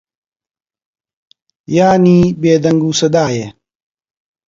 یانی بێدەنگ و سەدایە